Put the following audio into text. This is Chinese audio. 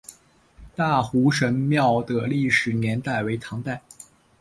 大湖神庙的历史年代为唐代。